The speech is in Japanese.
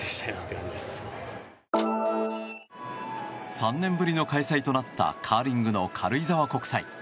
３年ぶりの開催となったカーリングの軽井沢国際。